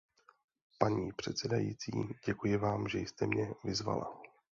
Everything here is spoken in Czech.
Paní předsedající, děkuji vám, že jste mě vyzvala.